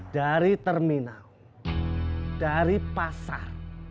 dari terminal dari pasar